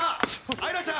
愛空ちゃん。